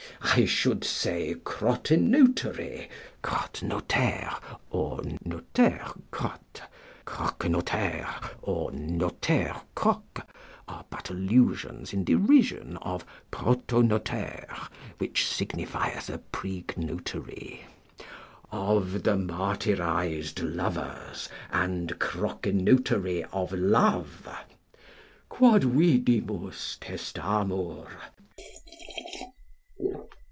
I should say crotenotary (Crotenotaire or notaire crotte, croquenotaire or notaire croque are but allusions in derision of protonotaire, which signifieth a pregnotary.) of the martyrized lovers, and croquenotary of love. Quod vidimus, testamur.